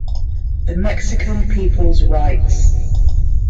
The Mexican People's Rights.